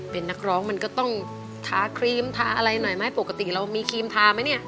เป็นนักร้องมันก็ต้องทาครีมทาอะไรหน่อยไหมปกติเรามีครีมทาไหมเนี่ย